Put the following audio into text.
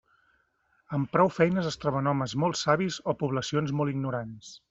Amb prou feines es troben homes molt savis o poblacions molt ignorants.